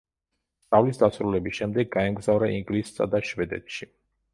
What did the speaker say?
სწავლის დასრულების შემდეგ, გაემგზავრა ინგლისსა და შვედეთში.